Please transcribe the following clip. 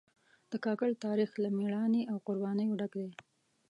د کاکړ تاریخ له مېړانې او قربانیو ډک دی.